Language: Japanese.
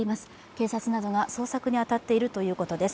警察などが捜索に当たっているということです